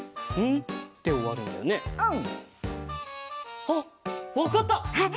うん。あっわかった！